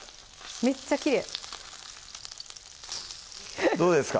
めっちゃきれいどうですか？